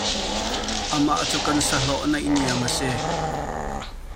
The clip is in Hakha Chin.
Amah cu kan sahlawh neihniam a si.